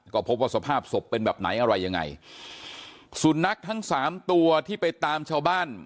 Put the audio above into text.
ก็พบว่าสภาพศพเป็นแบบไหนอะไรยังไงสุนัขทั้งสามตัวที่ไปตามชาวบ้าน